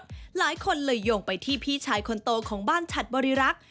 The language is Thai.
หลายคนเลยโยงไปที่พี่ชายคนโตของบ้านฉัดบริรักษ์